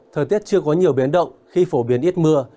thời tiết chưa có nhiều biến động khi phổ biến ít mưa